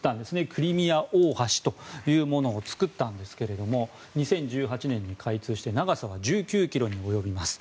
クリミア大橋というものを作ったんですが２０１８年に開通し長さは１９ｋｍに及びます。